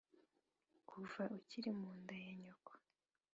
Kuva ukiri mu nda ya nyoko